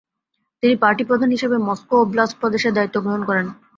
তিনি পার্টি প্রধান হিসেবে মস্কো ওব্লাস্ট প্রদেশের দায়িত্ব গ্রহণ করেন।